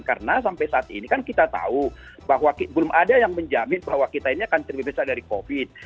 karena sampai saat ini kan kita tahu bahwa belum ada yang menjamin bahwa kita ini akan terbebas dari covid